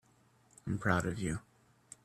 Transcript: I'm proud of you.